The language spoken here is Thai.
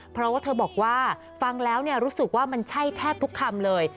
เพราะว่าเธอบอกว่าฟังแล้วรู้สึกว่ามันใช่แทบทุกคำเลย